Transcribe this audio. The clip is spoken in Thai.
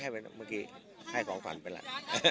อ๋อให้ไปแล้วเมื่อกี้ให้ของผันไปแล้ว